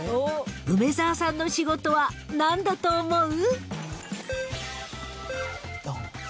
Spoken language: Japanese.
［楳澤さんの仕事は何だと思う？］